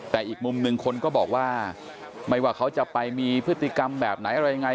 แต่อีกมุมหนึ่งคนก็บอกว่าไม่ว่าเขาจะไปมีพฤติกรรมแบบไหนอะไรยังไง